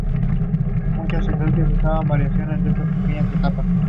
Rápidamente el barco comienza a arder.